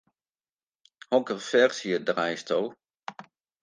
Hokker ferzje draaisto?